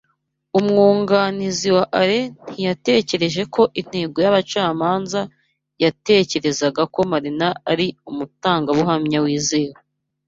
Umwunganizi wa Alain ntiyatekereje ko inteko y'abacamanza yatekereza ko Marina ari umutangabuhamya wizewe.